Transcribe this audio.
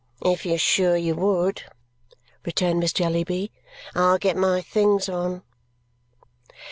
"If you're sure you would," returned Miss Jellyby, "I'll get my things on."